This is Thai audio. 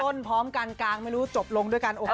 ต้นพร้อมการ์ดกางไม่รู้จบลงด้วยการโอเค